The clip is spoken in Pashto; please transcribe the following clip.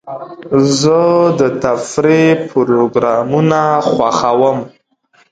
زه د تفریح پروګرامونه خوښوم.